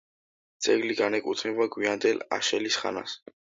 ძეგლი განეკუთვნება გვიანდელ აშელის ხანას.